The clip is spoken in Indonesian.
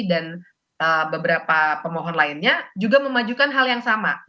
dan beberapa pemohon lainnya juga memajukan hal yang sama